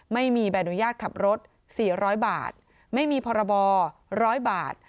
ไม่มีใบอนุญาตขับรถ๔๐๐บาทไม่มีพรบ๑๐๐บาท